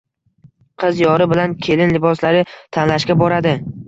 Qiz yori bilan kelin liboslari tanlashga boradi